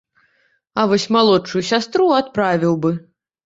А вось малодшую сястру адправіў бы.